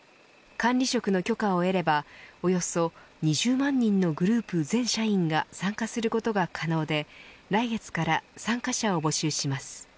管理職の許可を得ればおよそ２０万人のグループ全社員が参加することが可能で来月から参加者を募集します。